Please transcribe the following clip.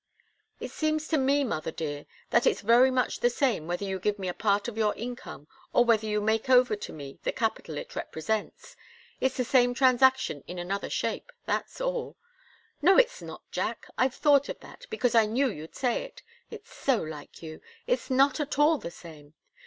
"It seems to me, mother dear, that it's very much the same, whether you give me a part of your income, or whether you make over to me the capital it represents. It's the same transaction in another shape, that's all." "No, it's not, Jack! I've thought of that, because I knew you'd say it. It's so like you. It's not at all the same.